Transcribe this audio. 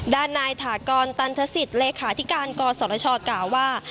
ด้านนายถากรตันทศิษย์เลขาธิการกศชกล่าวว่า